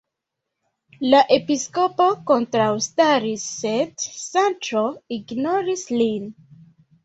La episkopo kontraŭstaris, sed Sanĉo ignoris lin.